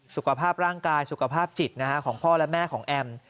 สุขภาพร่างกายสุขภาพจิตของพ่อและแม่ของแอม